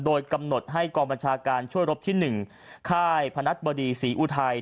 โดยกำหนดให้กองบัญชาการช่วยรบที่๑ค่ายพนัทบดีศรีอุทัย